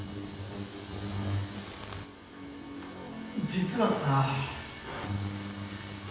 実はさ。